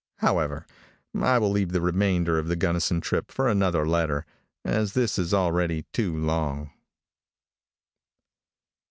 However, I will leave the remainder of the Gunnison trip for another letter, as this is already too long.